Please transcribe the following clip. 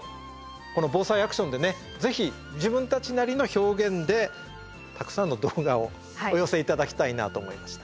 この「ＢＯＳＡＩアクション」でねぜひ自分たちなりの表現でたくさんの動画をお寄せ頂きたいなと思いました。